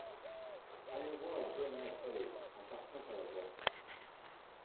Allons voir la dernière aile, en partant par la droite.